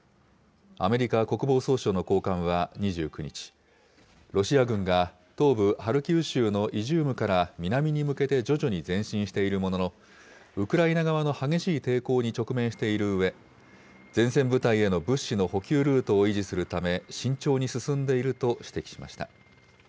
アメリカ国防総省の高官は２９日、ロシア軍が東部ハルキウ州のイジュームから南に向けて徐々に前進しているものの、ウクライナ側の激しい抵抗に直面しているうえ、前線部隊への物資の補給ルートを維持するため、慎重に進んでいると指摘しました。